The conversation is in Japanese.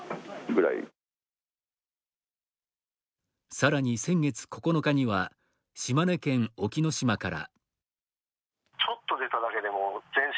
さらに先月９日には、島根県隠岐の島から。